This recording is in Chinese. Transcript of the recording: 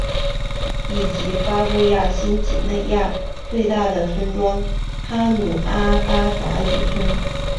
以及巴布亚新几内亚最大的村庄哈努阿巴达渔村。